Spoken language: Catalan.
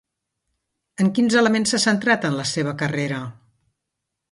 En quins elements s'ha centrat en la seva carrera?